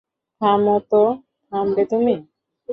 থামো তো, থামবে তুমি?